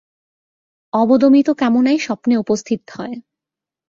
অবদমিত কামনাই স্বপ্নে উপস্থিত হয়।